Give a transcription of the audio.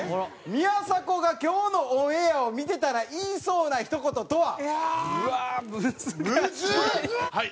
宮迫が今日のオンエアを見てたら言いそうな一言とは？